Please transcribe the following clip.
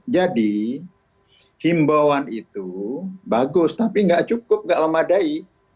jadi himbauan itu bagus tapi tidak cukup tidak lemadai